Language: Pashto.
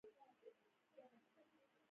د رعایا ژوند په ځمکو پورې تړلی و.